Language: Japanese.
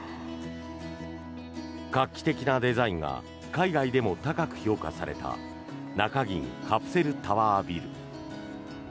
画期的なデザインが海外でも高く評価された中銀カプセルタワービル。